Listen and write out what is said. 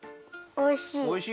おいしい？